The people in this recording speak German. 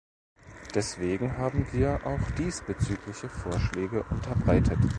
Deswegen haben wir auch diesbezügliche Vorschläge unterbreitet.